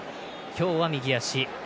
今日は右足。